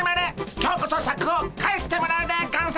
今日こそシャクを返してもらうでゴンス！